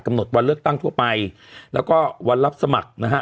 หดวันเลือกตั้งทั่วไปแล้วก็วันรับสมัครนะฮะ